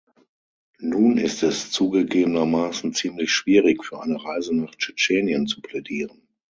Nun ist es zugegebenermaßen ziemlich schwierig, für eine Reise nach Tschetschenien zu plädieren.